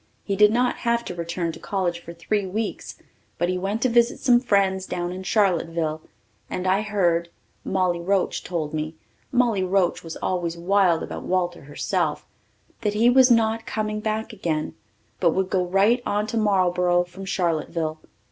He did not have to return to college for three weeks, but he went to visit some friends down in Charlotteville and I heard Mollie Roach told me Mollie Roach was always wild about Walter herself that he was not coming back again, but would go right on to Marlboro from Charlotteville.